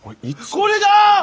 これだ！